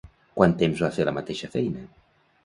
Quant temps va la mateixa feina?